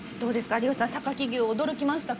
有吉さん榊牛驚きましたか？